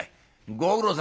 ご苦労さん」。